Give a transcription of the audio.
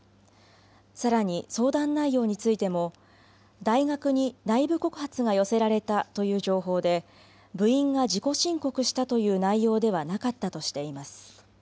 さらに相談内容についても大学に内部告発が寄せられたという情報で部員が自己申告したという内容ではなかったとしています。